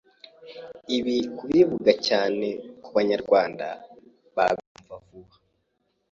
Ibi kubivuga cyane ku banyarwanda babyumva vuba